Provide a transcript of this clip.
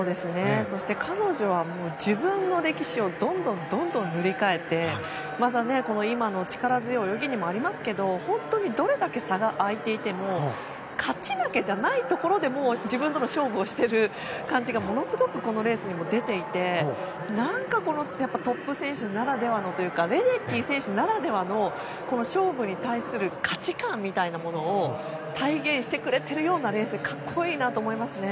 彼女は自分の歴史をどんどん塗り替えて今の力強い泳ぎにもありますけど本当に、どれだけ差が開いていても勝ち負けじゃないところで自分との勝負をしている感じがものすごくこのレースにも出ていてトップ選手ならではのというかレデッキー選手ならではの勝負に対する価値観みたいなものを体現してくれているレースで、格好いいと思います。